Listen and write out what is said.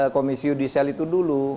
komisi yudisial itu dulu